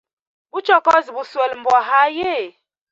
Buchokozi boswele mbwa ayi?